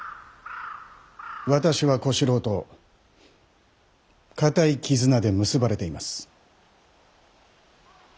私は小四郎と固い絆で結ばれています。